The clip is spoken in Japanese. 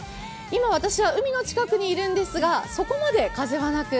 今私は海の近くにいるんですがそこまで風はなく